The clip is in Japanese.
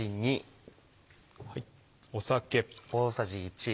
酒。